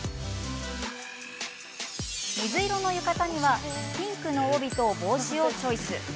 水色の浴衣にはピンクの帯と帽子をチョイス。